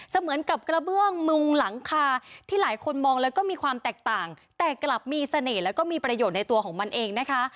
เหมือนกับกระเบื้องมุงหลังคาที่หลายคนมองแล้วก็มีความแตกต่างแต่กลับมีเสน่ห์แล้วก็มีประโยชน์ในตัวของมันเองนะคะ